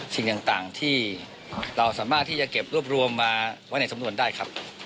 สิ่งต่างที่เราสามารถที่จะเก็บรวบรวมมาไว้ในสำนวนได้ครับ